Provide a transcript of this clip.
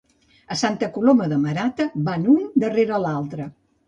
A Santa Coloma de Marata van un darrera l'altre